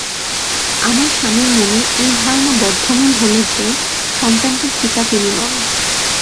আমার স্বামীর মনে এই ধারণা বদ্ধমূল হল যে সন্তানটির পিতা তিনি নন।